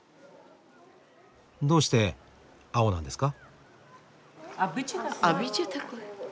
どうして青なんですか？